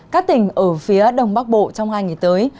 các tỉnh ở phía đông bắc bộ trong hai ngày tới